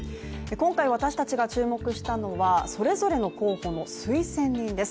今回私たちが注目したのは、それぞれの候補の推薦人です。